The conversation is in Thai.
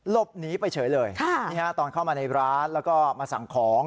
หลบหนีไปเฉยเลยตอนเข้ามาในร้านแล้วก็มาสั่งของ